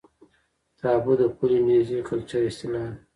تابو د پولي نیزي کلچر اصطلاح ده.